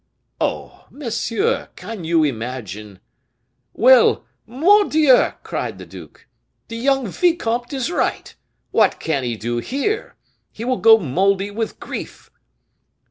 "Oh! monsieur can you imagine " "Well, mordieu!" cried the duke, "the young vicomte is right! What can he do here? He will go moldy with grief."